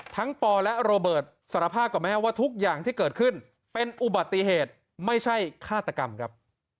ปอและโรเบิร์ตสารภาพกับแม่ว่าทุกอย่างที่เกิดขึ้นเป็นอุบัติเหตุไม่ใช่ฆาตกรรมครับ